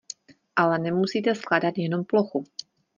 Ale nemusíte skládat jenom plochu.